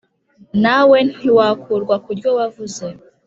na we ntiwakurwa ku ryo wavuze,